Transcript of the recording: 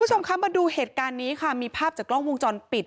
คุณผู้ชมคะมาดูเหตุการณ์นี้ค่ะมีภาพจากกล้องวงจรปิด